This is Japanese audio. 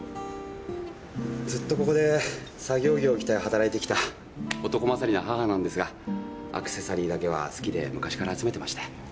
ずっとここで作業着を着て働いてきた男勝りな母なんですがアクセサリーだけは好きで昔から集めてまして。